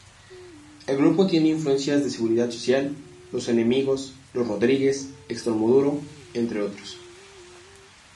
El grupo tiene influencias de Seguridad Social, Los Enemigos, Los Rodríguez, Extremoduro, entre otros.